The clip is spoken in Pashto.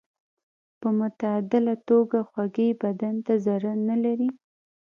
په معتدله توګه خوږې بدن ته ضرر نه لري.